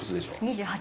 ２８。